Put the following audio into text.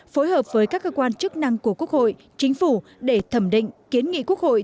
phối hợp với các cơ quan chức năng của quốc hội chính phủ để thẩm định kiến nghị quốc hội